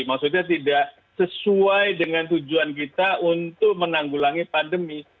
maksudnya tidak sesuai dengan tujuan kita untuk menanggulangi pandemi